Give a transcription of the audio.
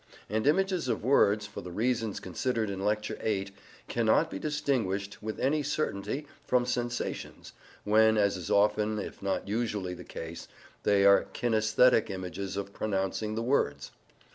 And images of words, for the reasons considered in Lecture VIII, cannot be distinguished with any certainty from sensations, when, as is often, if not usually, the case, they are kinaesthetic images of pronouncing the words.